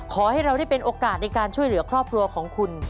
ขอให้เราได้เป็นโอกาสในการช่วยเหลือครอบครัวของคุณ